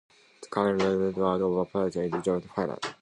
The current majority leader, or president, is John J. Flanagan.